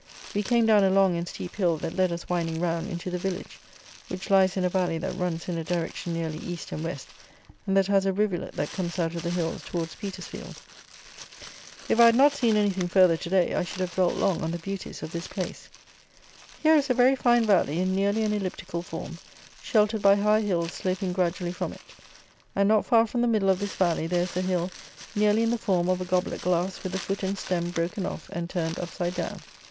We came down a long and steep hill that led us winding round into the village, which lies in a valley that runs in a direction nearly east and west, and that has a rivulet that comes out of the hills towards Petersfield. If I had not seen anything further to day, I should have dwelt long on the beauties of this place. Here is a very fine valley, in nearly an eliptical form, sheltered by high hills sloping gradually from it; and not far from the middle of this valley there is a hill nearly in the form of a goblet glass with the foot and stem broken off and turned upside down.